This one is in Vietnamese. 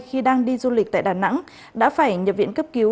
khi đang đi du lịch tại đà nẵng đã phải nhập viện cấp cứu